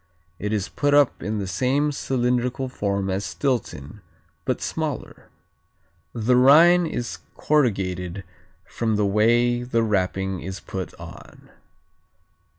It is put up in the same cylindrical form as Stilton, but smaller. The rind is corrugated from the way the wrapping is put on.